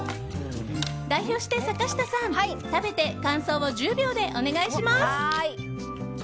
代表して坂下さん、食べて感想を１０秒でお願いします。